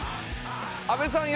阿部さん